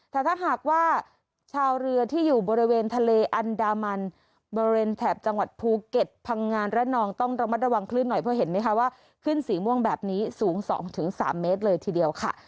แต่ถ้าหากว่าชาวเรือที่อยู่บริเวณทะเลอันดามันบริเวณแถบจังหวัดภูเก็ตพังงานระนองต้องระมัดระวังคลื่นหน่อยเพราะเห็นไหมคะว่าขึ้นสีม่วงแบบนี้สูง๒๓เมตรเลยทีเดียวค่ะ